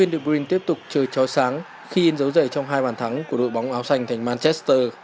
de bruyne tiếp tục chơi trói sáng khi in dấu dày trong hai bàn thắng của đội bóng áo xanh thành manchester